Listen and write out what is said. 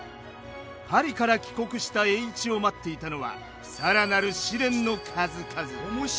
パリから帰国した栄一を待っていたのは更なる試練の数々。